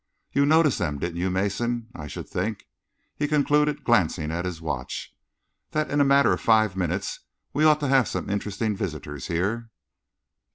You noticed them, didn't you, Mason? I should think," he concluded, glancing at his watch, "that in a matter of five minutes we ought to have some interesting visitors here."